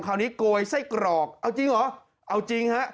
คราวนี้โกยไส้กรอกเอาจริงหรอเอาจริงฮะ